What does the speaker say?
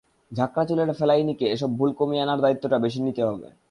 ঝাঁকড়া চুলের ফেলাইনিকে এসব ভুল কমিয়ে আনার দায়িত্বটা বেশি নিতে হবে।